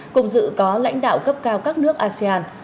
cùng dự có lãnh đạo cấp cao các nước asean